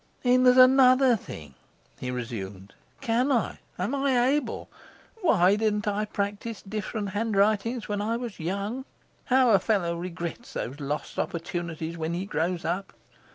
'Then there's another thing,' he resumed; 'can I? Am I able? Why didn't I practise different handwritings while I was young? How a fellow regrets those lost opportunities when he grows up!